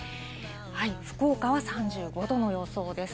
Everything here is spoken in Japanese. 福岡は３５度の予想です。